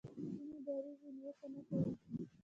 ځینې ډارېږي نیوکه نه کوي